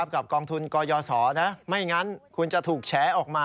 กองทุนกยศไม่งั้นคุณจะถูกแฉออกมา